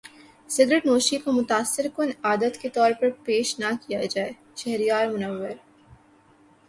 cigarette نوشی کو متاثر کن عادت کے طور پر پیش نہ کیا جائے شہریار منور